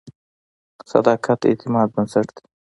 • صداقت د اعتماد بنسټ دی.